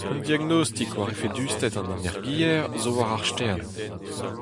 Un diagnostik war efedusted an energiezh zo war ar stern.